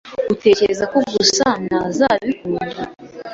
Utekereza ko Gasanaazabikunda?